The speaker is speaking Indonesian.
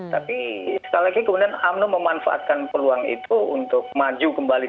tapi sekali lagi kemudian umno memanfaatkan peluang itu untuk maju kembali